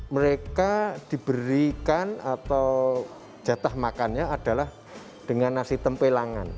mereka diberikan atau jatah makannya adalah dengan nasi tempelangan